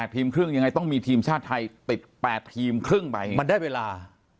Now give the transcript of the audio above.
ทีมครึ่งยังไงต้องมีทีมชาติไทยติด๘ทีมครึ่งไปมันได้เวลา